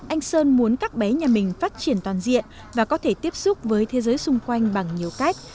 anh sơn muốn các bé nhà mình phát triển toàn diện và có thể tiếp xúc với thế giới xung quanh bằng nhiều cách